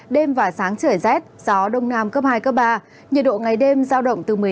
đêm và sáng trời rét gió đông nam cấp hai cấp ba nhiệt độ ngày đêm giao động từ một mươi tám đến hai mươi năm độ